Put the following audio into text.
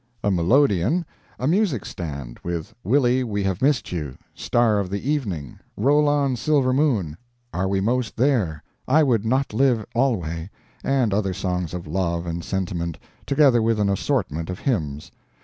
A melodeon; a music stand, with 'Willie, We have Missed You', 'Star of the Evening', 'Roll on Silver Moon', 'Are We Most There', 'I Would not Live Alway', and other songs of love and sentiment, together with an assortment of hymns.